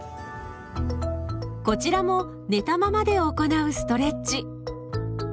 こちらも寝たままで行うストレッチ。